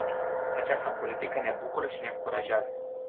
Această politică ne bucură și ne încurajează.